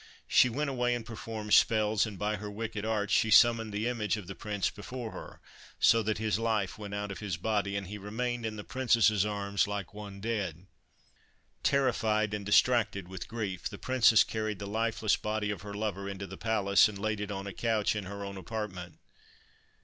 She went away and performed spells, and, by her wicked arts, she summoned the image of the Prince before her, so that his life went out of his body, and he remained in the Princess's arms like one dead. Terrified and distracted with grief, the Princess carried the lifeless body of her lover into the palace and laid it on a couch in her own apartment.